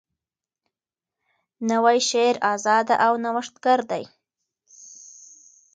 نوی شعر آزاده او نوښتګر دی.